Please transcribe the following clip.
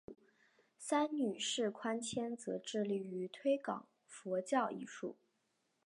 三女释宽谦则致力于推广佛教艺术。